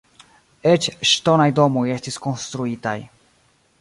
Eĉ ŝtonaj domoj estis konstruitaj.